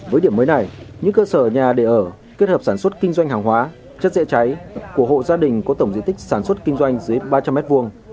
với điểm mới này những cơ sở nhà để ở kết hợp sản xuất kinh doanh hàng hóa chất dễ cháy của hộ gia đình có tổng diện tích sản xuất kinh doanh dưới ba trăm linh m hai